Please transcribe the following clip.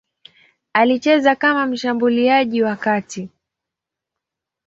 Alicheza kama mshambuliaji wa kati.